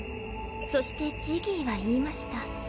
そしてジギーは言いました。